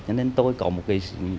cho nên tôi có một cái